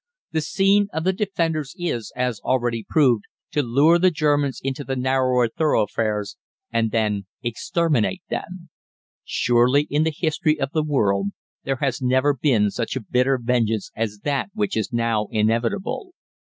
The scheme of the Defenders is, as already proved, to lure the Germans into the narrower thoroughfares, and then exterminate them. Surely in the history of the world there has never been such a bitter vengeance as that which is now inevitable.